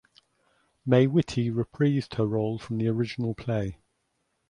May Whitty reprised her role from the original play.